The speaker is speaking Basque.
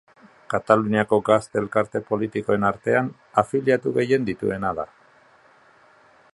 Kataluniako gazte elkarte politikoen artean afiliatu gehien dituena da.